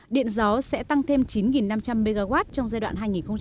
điện gió sẽ tăng thêm chín năm trăm linh mw trong giai đoạn hai nghìn hai mươi năm hai nghìn ba mươi